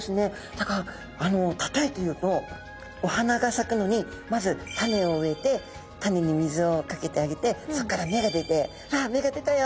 だからたとえて言うとお花がさくのにまず種を植えて種に水をかけてあげてそこから芽が出て「わあ芽が出たよ」